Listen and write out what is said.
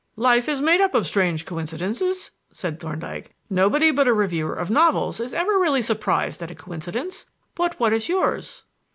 "Life is made up of strange coincidences," said Thorndyke. "Nobody but a reviewer of novels is ever really surprised at a coincidence. But what is yours?"